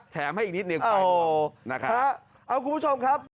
แถมให้อีกนิดนึงค่ะคุณผู้ชมครับ